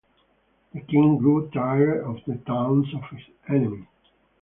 The king grew tired of the taunts of his enemies.